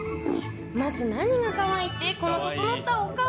まず何が可愛いってこの整ったお顔！